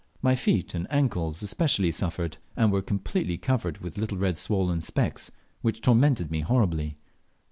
My feet and ankles especially suffered, and were completely covered with little red swollen specks, which tormented me horribly.